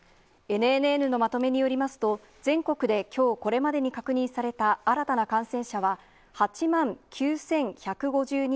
ＮＮＮのまとめによりますと、全国できょうこれまでに確認された新たな感染者は、８万９１５２人です。